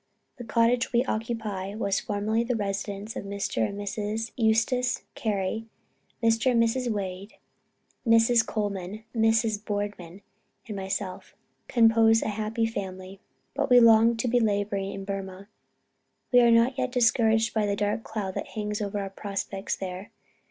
The cottage we occupy was formerly the residence of Mr. and Mrs. Eustace Carey. Mr. and Mrs. Wade, Mrs. Colman, Mrs. Boardman and myself, compose a very happy American family.... But we long to be laboring in Burmah. We are not yet discouraged by the dark cloud that hangs over our prospects there.